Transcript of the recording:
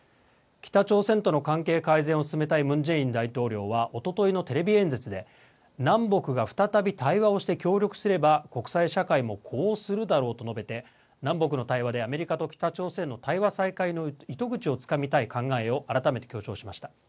北朝鮮との関係改善を進めたいムン・ジェイン大統領はおとといのテレビ演説で南北が再び対話をして協力すれば国際社会も呼応するだろうと述べて南北の対話でアメリカと北朝鮮の対話再開の糸口をつかみたい考えを改めて強調しました。